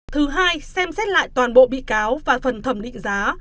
thứ hai xem xét lại toàn bộ bị cáo và phần thẩm định giá